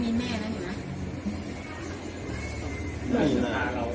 ผมไม่มาใจนะ